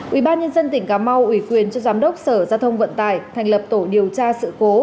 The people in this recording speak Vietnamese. ubnd tỉnh cà mau ủy quyền cho giám đốc sở giao thông vận tải thành lập tổ điều tra sự cố